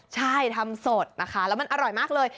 ใช่ทำสดนะคะแล้วมันอร่อยมากเลย